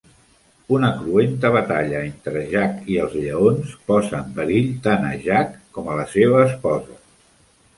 Una cruenta batalla entre Jack i els lleons posa en perill tant a Jack com a la seva esposa.